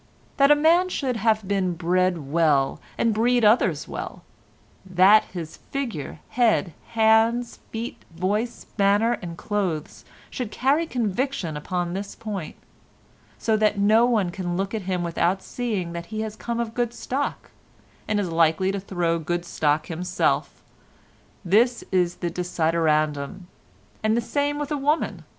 "That a man should have been bred well and breed others well; that his figure, head, hands, feet, voice, manner and clothes should carry conviction upon this point, so that no one can look at him without seeing that he has come of good stock and is likely to throw good stock himself, this is the desiderandum. And the same with a woman.